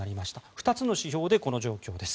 ２つの指標でこの状況です。